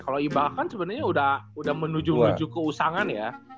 kalo ibaka kan sebenernya udah menuju menuju keusangan ya